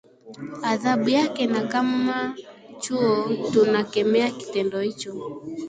adhabu yake na kama chuo tunakemea kitendo hicho